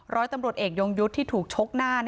ร้อยตำรวจเอกยงยุทธ์ที่ถูกชกหน้า